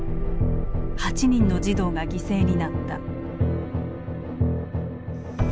８人の児童が犠牲になった。